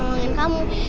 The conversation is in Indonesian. aku gak boleh takut